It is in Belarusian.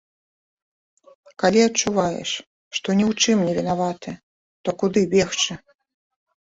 Калі адчуваеш, што ні ў чым не вінаваты, то куды бегчы?